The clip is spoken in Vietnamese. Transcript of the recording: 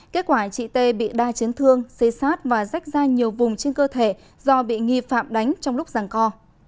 kết quả chị t bị đa chiến thương xây xát và rách ra nhiều vùng trên cơ thể do bị nghi phạm đánh trong lúc giàn co